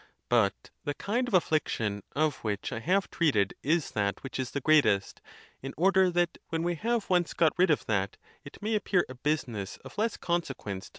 But the kind of affliction of which I have treated is that which is the greatest; in order that when we have once got rid of that, it may appear a business of less consequence to.